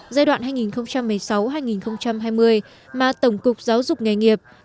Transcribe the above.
giai đoạn hai nghìn một mươi sáu hai nghìn hai mươi mà tổng cục giáo dục nghề nghiệp